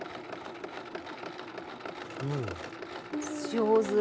上手。